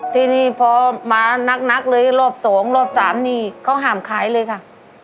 ทีนี้พอมานักเลยรอบสองรอบสามนี่เขาห้ามขายเลยค่ะ